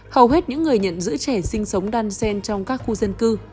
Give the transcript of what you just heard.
hầu hết những người nhận giữ trẻ sinh sống đan sen trong các khu dân cư